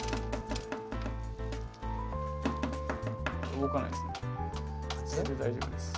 動かないですね？